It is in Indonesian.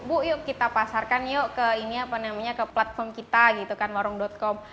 bu yuk kita pasarkan yuk ke ini apa namanya ke platform kita gitu kan warung com